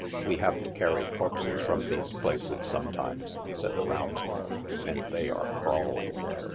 " We have to carry corpses from these places sometimes," said the roundsman, " and they are crawling